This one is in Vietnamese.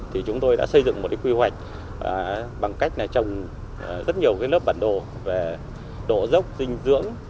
thì chúng tôi đã xây dựng một cái quy hoạch bằng cách trồng rất nhiều cái lớp bản đồ về độ dốc dinh dưỡng